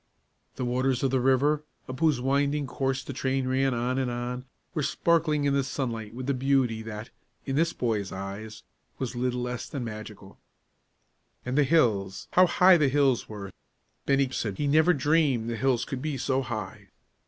The waters of the river, up whose winding course the train ran on and on, were sparkling in the sunlight with a beauty that, in this boy's eyes, was little less than magical. And the hills; how high the hills were! Bennie said he never dreamed the hills could be so high.